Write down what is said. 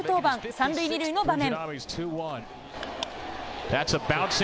３塁２塁の場面。